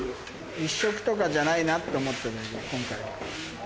１色とかじゃないなと思ってるの、今回は。